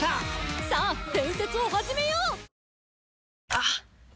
あっ！